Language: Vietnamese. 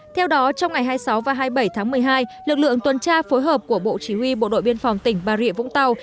theo đó trong ngày hai mươi sáu và hai mươi bảy tháng một mươi hai lực lượng tuần tra phối hợp của bộ chỉ huy bộ đội biên phòng tỉnh bà rịa vũng tàu